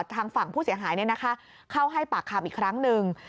ทางฝั่งผู้เสียหายเนี่ยนะคะเข้าให้ปากคำอีกครั้งนึง